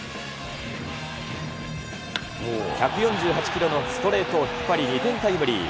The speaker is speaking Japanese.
１４８キロのストレートを引っ張り２点タイムリー。